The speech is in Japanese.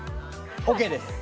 ＯＫです。